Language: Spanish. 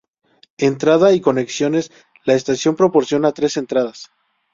Entrada y conexiones: La estación proporciona tres entradas.